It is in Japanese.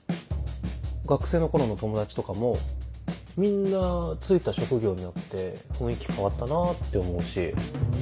学生の頃の友達とかもみんな就いた職業によって雰囲気変わったなって思うし。